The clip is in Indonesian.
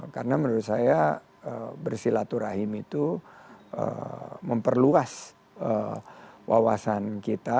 karena menurut saya bersilaturahim itu memperluas wawasan kita